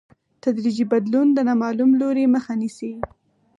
تدریجي بدلون د نامعلوم لوري مخه نیسي.